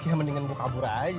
ya mendingan buka kabur aja